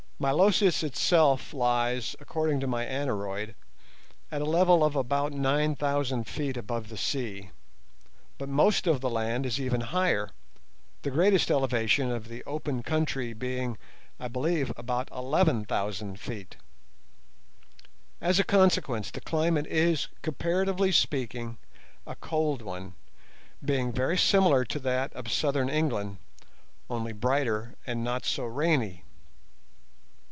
Milosis itself lies, according to my aneroid, at a level of about nine thousand feet above the sea, but most of the land is even higher, the greatest elevation of the open country being, I believe, about eleven thousand feet. As a consequence the climate is, comparatively speaking, a cold one, being very similar to that of southern England, only brighter and not so rainy.